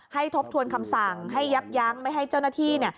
ทบทวนคำสั่งให้ยับยั้งไม่ให้เจ้าหน้าที่เนี่ย